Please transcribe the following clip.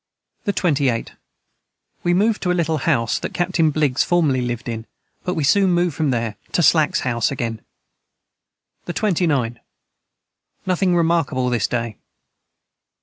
the 28. We moved to a little house that capt Bligs formerly Lived in but we Soon moved from there to Slaks house again. the 29. Nothing remarkable this day.